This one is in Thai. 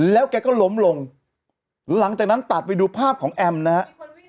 แล้วแกก็ล้มลงหลังจากนั้นตัดไปดูภาพของแอมนะฮะ